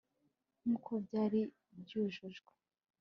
nkuko byari byujujwe